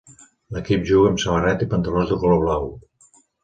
L'equip juga amb samarreta i pantalons de color blau.